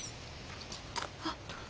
あっ。